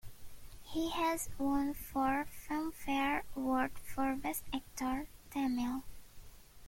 He has won four Filmfare Award for Best Actor - Tamil.